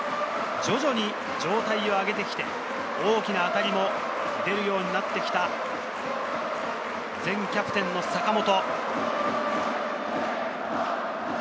徐々に状態を上げてきて、大きな当たりも出るようになってきた前キャプテンの坂本。